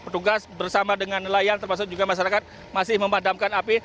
petugas bersama dengan nelayan termasuk juga masyarakat masih memadamkan api